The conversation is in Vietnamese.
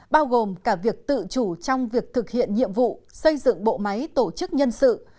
bao gồm cả việc tự chủ trong việc thực hiện nhiệm vụ xây dựng bộ máy tổ chức nhân sự